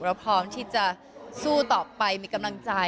พร้อมที่จะสู้ต่อไปมีกำลังใจ